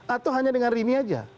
atau hanya dengan rini aja